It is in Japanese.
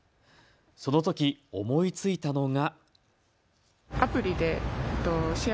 そのとき、思いついたのが。